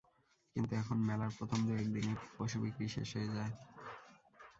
কিন্তু এখন মেলার প্রথম দু-এক দিনেই পশু বিক্রি শেষ হয়ে যায়।